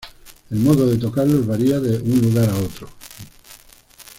El modo de tocarlos varía de lugar en lugar.